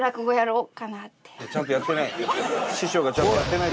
ちゃんとやってない。